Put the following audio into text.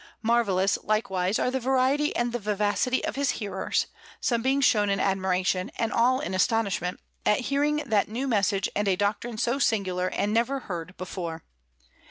Marvellous, likewise, are the variety and the vivacity of his hearers, some being shown in admiration, and all in astonishment, at hearing that new message and a doctrine so singular and never heard before.